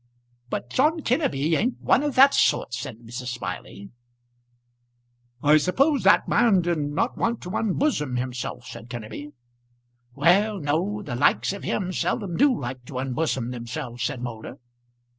"But John Kenneby ain't one of that sort," said Mrs. Smiley. "I suppose that man did not want to unbosom himself," said Kenneby. "Well; no. The likes of him seldom do like to unbosom themselves," said Moulder.